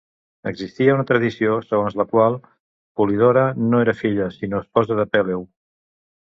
Existia una tradició segons la qual Polidora no era filla, sinó esposa de Peleu.